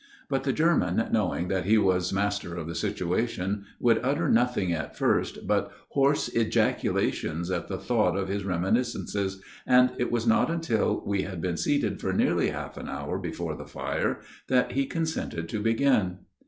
But the German, knowing that he was master of the situation, would utter nothing at first but hoarse ejaculations at the thought of his reminiscences, and it was not until we had been seated for nearly half an hour before the fire that he consented to begin.